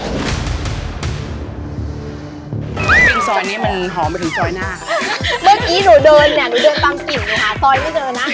ปิ้งซอยเนี้ยมันหอมไปถึงซอยหน้าค่ะเมื่อกี้หนูเดินเนี่ยหนูเดินตามกิ่วหนูหาซอยไม่เจอนะ